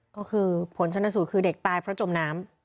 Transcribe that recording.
ก็คือผลชนสูตรคือเด็กตายเพราะจมน้ำ